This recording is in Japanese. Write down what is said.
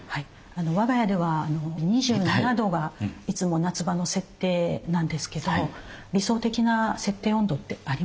我が家では２７度がいつも夏場の設定なんですけど理想的な設定温度ってありますか？